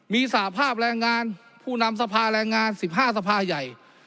มีสภาพแรงงานผู้นำสภาแรงงาน๑๕สภาใหญ่